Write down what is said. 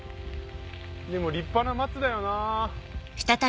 でも立派な松だよな。